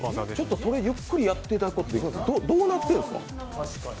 それゆっくりやっていただく、どうなってるんですか？